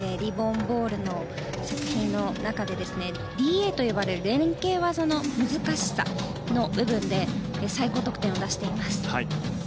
ドイツチームは団体総合のリボン・ボールの作品の中でＤＡと呼ばれる連係技の難しさの部分で最高得点を出しています。